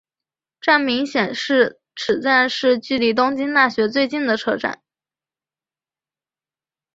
站名显示此站是距离东京大学最近的车站。